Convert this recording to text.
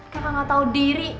kakak gak tau diri